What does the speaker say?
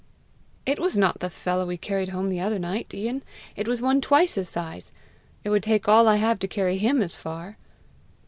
"It was not the fellow we carried home the other night, Ian; it was one twice his size. It would take all I have to carry HIM as far!"